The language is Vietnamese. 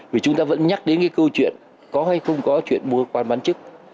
vì chúng ta vẫn nhắc đến cái câu chuyện có hay không có chuyện mua quan bán chức